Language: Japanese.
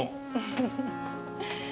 フフフッ。